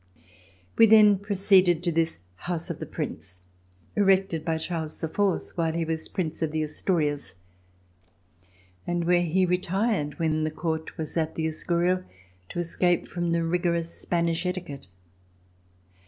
We then proceeded to this house of the Prince, erected by Charles IV while he was Prince of the Asturias and where he retired when the Court was VISIT TO PARIS at the Escurial, to escape from the rigorous Spanish etiquette.